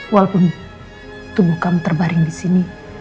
walaupun tubuh kamu terbaring di sini